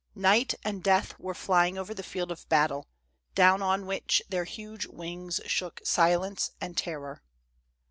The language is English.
Night and Death were flying over the field of battle, down on which their huge wings shook silence and terror.